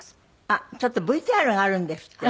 あっちょっとＶＴＲがあるんですって。